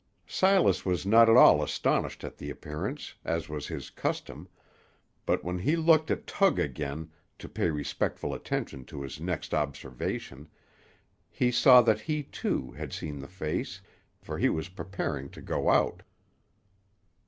Silas was not at all astonished at the appearance, as was his custom; but when he looked at Tug again, to pay respectful attention to his next observation, he saw that he, too, had seen the face, for he was preparing to go out.